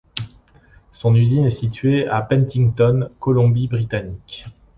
Son usine est situé à Penticton, Colombie Britannique.